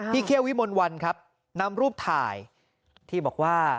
เคี่ยววิมลวันครับนำรูปถ่ายที่บอกว่า